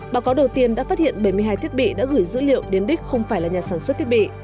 báo cáo đầu tiên đã phát hiện bảy mươi hai thiết bị đã gửi dữ liệu đến đích không phải là nhà sản xuất thiết bị